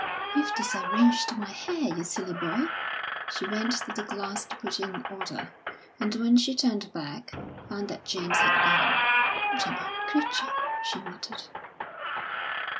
"You've disarranged my hair, you silly boy!" She went to the glass to put it in order, and when she turned back found that James had gone. "What an odd creature!" she muttered.